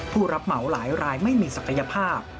ผู้รับเหมาหลายรายไม่มีศักยภาพ